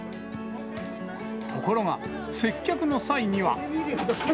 ところが、接客の際には。